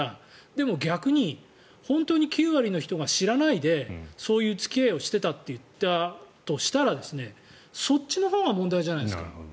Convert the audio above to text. でも、逆に本当に９割の人が知らないでそういう付き合いをしていたと言っていたとしたらそっちのほうが問題じゃないですか。